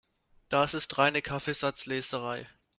Das ist reine Kaffeesatzleserei.